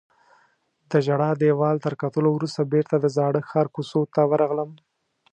د ژړا دیوال تر کتلو وروسته بیرته د زاړه ښار کوڅو ته ورغلم.